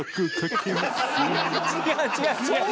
違う違う違う！